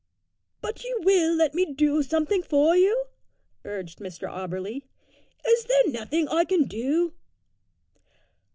"But you will let me do something for you?" urged Mr Auberly. "Is there nothing that I can do?"